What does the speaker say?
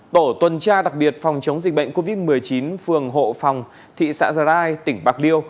tổ tuần tra đặc biệt phòng chống dịch bệnh covid một mươi chín phường hộ phòng thị xã già rai tỉnh bạc liêu